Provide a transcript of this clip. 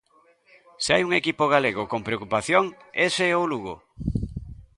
Se hai un equipo galego con preocupación, ese é o Lugo.